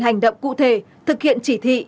hành động cụ thể thực hiện chỉ thị